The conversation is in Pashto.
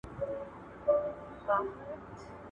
ماشومان به د لوبو میدان ته ولاړ شي.